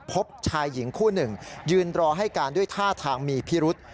พบชายหญิงคู่หนึ่งยืนรอให้การด้วยท่าทางมีพิรุษ